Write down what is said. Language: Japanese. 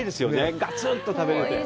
ガツンと食べるって。